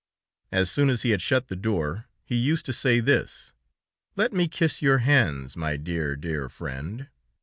As soon as he had shut the door, he used to say this: "Let me kiss your hands, my dear, dear friend!"